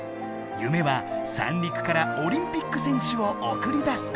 夢は三陸からオリンピック選手をおくり出すこと！